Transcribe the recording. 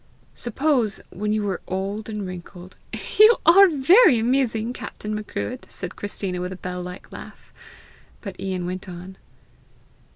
Suppose, when you were old and wrinkled, " "You are very amusing, Captain Macruadh!" said Christina, with a bell like laugh. But Ian went on.